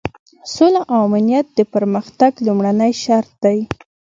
سوله او امنیت د پرمختګ لومړنی شرط دی.